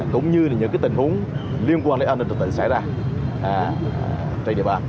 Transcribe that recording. cũng như những tình huống liên quan đến an ninh trật tự xảy ra trên địa bàn